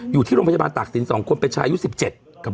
อยู่ที่โรงพยาบาลตรักษณีย์๒คนเป็นชายู่๑๗กับ๒๕